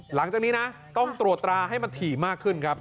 หลังจากนี้นะต้องตรวจตราให้มันถี่มากขึ้นครับ